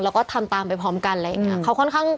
แล้วก็ทำตามไปพร้อมกันอะไรอย่างนี้